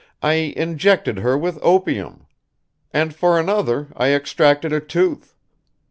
I injected her with opium; and for another I extracted a tooth.